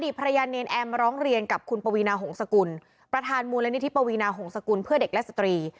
ภรรยาเนรแอมมาร้องเรียนกับคุณปวีนาหงษกุลประธานมูลนิธิปวีนาหงษกุลเพื่อเด็กและสตรี